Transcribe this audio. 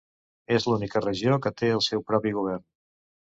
És l'única regió que té el seu propi govern.